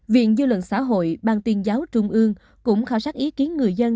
viện dư luận xã hội ban tuyên giáo trung ương cũng khảo sát ý kiến người dân